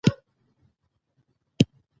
چي مو وژني دا هم زموږ د شهپر زور دی